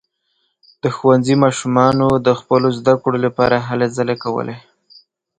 د ښوونځي ماشومانو د خپلو زده کړو لپاره هلې ځلې کولې.